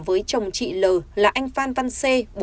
với chồng chị l là anh phan văn c